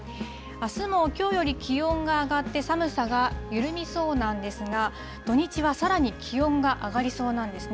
あすもきょうより気温が上がって寒さが緩みそうなんですが、土日はさらに気温が上がりそうなんですね。